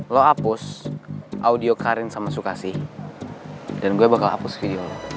lo hapus audio karin sama sukasih dan gue bakal hapus video lo